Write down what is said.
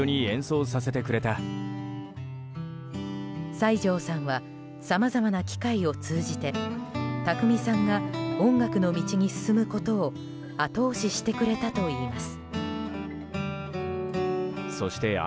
西城さんはさまざまな機会を通じて宅見さんが音楽の道に進むことを後押ししてくれたといいます。